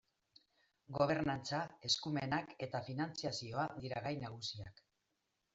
Gobernantza, eskumenak eta finantzazioa dira gai nagusiak.